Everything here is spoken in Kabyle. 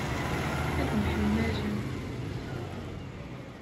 Ad mḥemmalen.